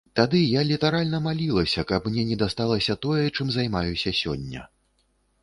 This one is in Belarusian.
Тады я літаральна малілася, каб мне не дасталася тое, чым займаюся сёння.